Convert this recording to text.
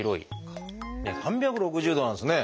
３６０度なんですね。